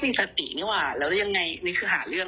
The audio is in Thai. พิวชัยใสแบบเราจะแซง